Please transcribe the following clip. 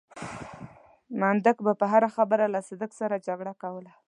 منډک به پر هره خبره له صدک سره جګړه کوله.